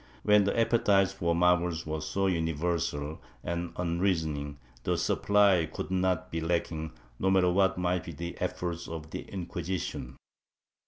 ^ When the appetite for marvels was so universal and unreasoning, the supply could not be lacking, no matter what might be the efforts of the Inquisition.